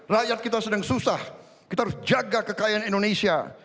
rakyat kita sedang susah kita harus jaga kekayaan indonesia